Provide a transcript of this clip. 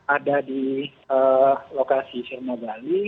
ada di lokasi surnabali